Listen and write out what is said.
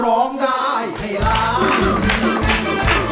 ร้องได้ให้ล้าน